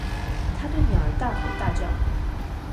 他對鳥兒大吼大叫！